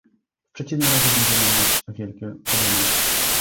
W przeciwnym razie będziemy mieć wielkie problemy